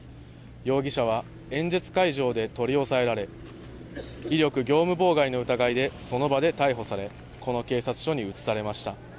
容疑者は演説会場で取り押さえられ威力業務妨害の疑いでその場で逮捕されこの警察署に移されました。